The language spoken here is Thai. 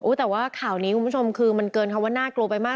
แต่ว่าข่าวนี้คุณผู้ชมคือมันเกินคำว่าน่ากลัวไปมาก